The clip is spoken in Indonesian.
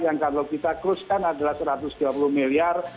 yang kalau kita crushkan adalah satu ratus dua puluh miliar